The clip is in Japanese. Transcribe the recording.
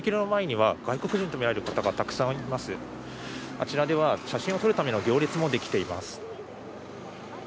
あちらでは写真を撮るための行列もできています。